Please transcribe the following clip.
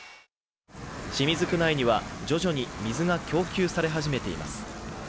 清水区内には徐々に水が供給され始めています。